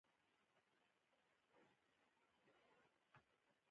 ځمکنی شکل د افغان ځوانانو لپاره دلچسپي لري.